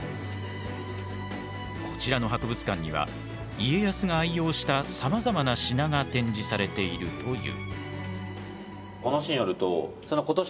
こちらの博物館には家康が愛用したさまざまな品が展示されているという。